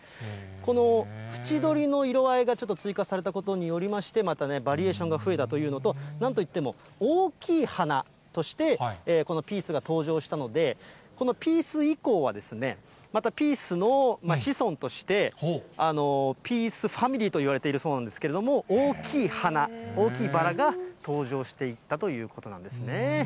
この縁どりの色合いがちょっと追加されたことによりまして、またバリエーションが増えたというのと、なんといっても大きい花として、このピースが登場したので、このピース以降は、またピースの子孫として、ピースファミリーといわれているそうなんですけれども、大きい花、大きいバラが登場していったということなんですね。